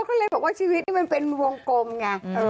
ก็เลยบอกว่าชีวิตนี้มันเป็นวงกลมไง